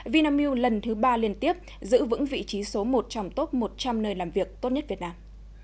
vnmu lần thứ ba liên tiếp giữ vững vị trí số một trăm linh tốt một trăm linh nơi làm việc tốt nhất việt nam